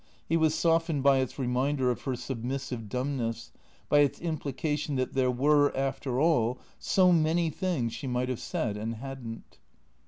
He was softened by its reminder of her submissive dumbness, by its implication that there were, after all, so many things she might have said and had n't.